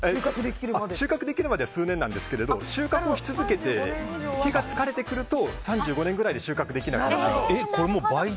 収穫できるまでは数年なんですが収穫をし続けて木が疲れてくると３５年ぐらいで収穫できなくなる。